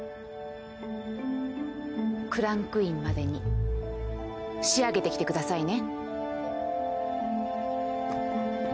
クランクインまでに仕上げてきてくださいね。